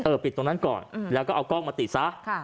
ปิดตรงนั้นก่อนแล้วก็เอากล้องมาติดซะ